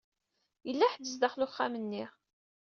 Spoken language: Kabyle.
Yella ḥedd sdaxel uxxam-nni.